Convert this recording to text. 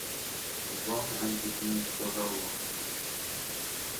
Long and Virginia Stovall Long.